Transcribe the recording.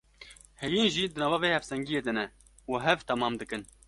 Heyîn jî di nava vê hevsengiyê de ne û hev û temam dikin.